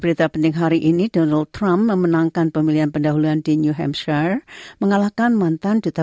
berita terkini mengenai penyelidikan covid sembilan belas di indonesia